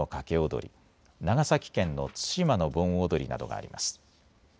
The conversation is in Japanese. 踊、長崎県の対馬の盆踊などがあります。